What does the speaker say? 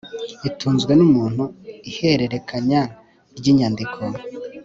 itunzwe n umuntu ihererekanya ry inyandiko